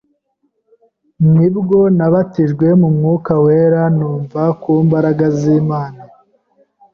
nibwo nabatijwe mu mwuka wera, numva ku mbaraga z’Imana,